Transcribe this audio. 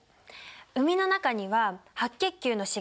膿の中には白血球の死骸